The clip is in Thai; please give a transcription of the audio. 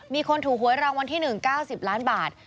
มีคนถูกหวยรางวัลที่๑๙๐ล้านบาท